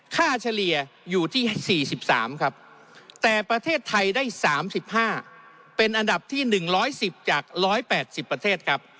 เฉลี่ยอยู่ที่๔๓ครับแต่ประเทศไทยได้๓๕เป็นอันดับที่๑๑๐จาก๑๘๐ประเทศครับ